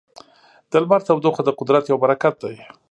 د لمر تودوخه د قدرت یو برکت دی.